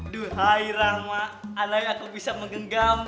duhairahma alai aku bisa menggenggam tanganmu